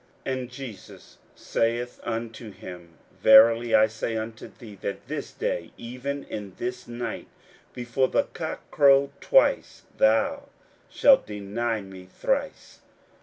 41:014:030 And Jesus saith unto him, Verily I say unto thee, That this day, even in this night, before the cock crow twice, thou shalt deny me thrice.